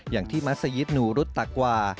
อย่างที่มัศยิตหนูรุษตากวา